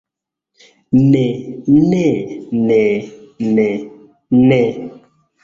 Ne ne ne ne. Ne.